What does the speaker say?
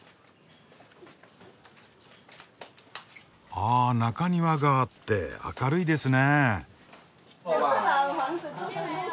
ああ中庭があって明るいですねえ。